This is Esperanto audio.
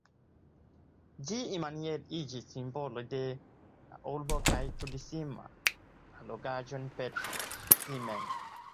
Ĝi iamaniere iĝis simbolo de la urbo kaj turisma allogaĵo per si mem.